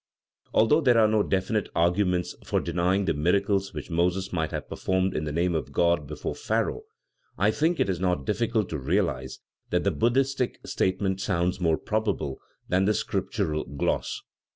Although there are no definite arguments for denying the miracles which Moses might have performed in the name of God before Pharaoh, I think it is not difficult to realize that the Buddhistic statement sounds more probable than the Scriptural gloss.